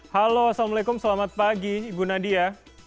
halo assalamualaikum selamat pagi ibu nadia